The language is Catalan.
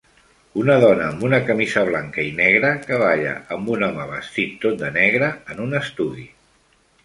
Una dona amb una camisa blanca i negra que balla amb un home vestit tot de negre en un estudi.